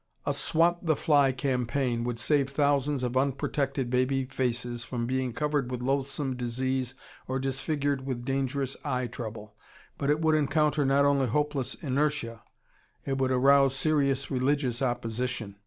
A "swat the fly campaign" would save thousands of unprotected baby faces from being covered with loathsome disease or disfigured with dangerous eye trouble, but it would encounter not only hopeless inertia, it would arouse serious religious opposition.